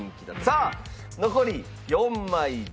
さあ残り４枚です。